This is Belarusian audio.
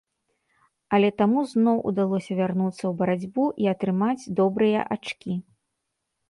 Але таму зноў удалося вярнуцца ў барацьбу і атрымаць добрыя ачкі.